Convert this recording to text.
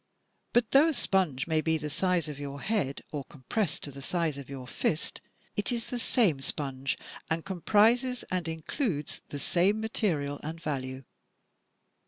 But though a sponge may be the size of your head or compressed to the size of your fist, it is the same sponge and comprises and includes the same material and value.